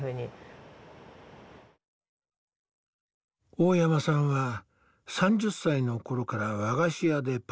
大山さんは３０歳の頃から和菓子屋でパートを始めた。